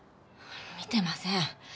見てません。